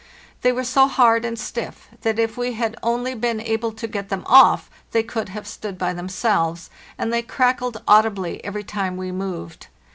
They were so hard and stiff that if we had only been able to get them off they could have stood by themselves, and they crackled audibly every time we moved.